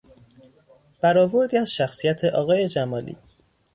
برآوردی از شخصیت آقای جمالی